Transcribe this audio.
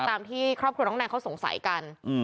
ตามที่ครอบครัวน้องแนนเขาสงสัยกัน